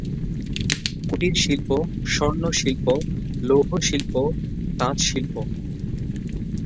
কুটিরশিল্প স্বর্ণশিল্প, লৌহাশিল্প, তাঁতশিল্প।